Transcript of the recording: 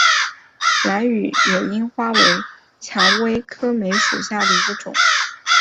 兰屿野樱花为蔷薇科梅属下的一个种。